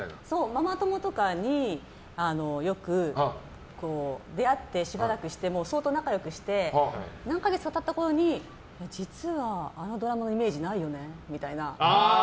ママ友とかによく出会ってしばらくして相当仲良くして何か月か経ったころに実は、あのドラマのイメージないよねみたいな。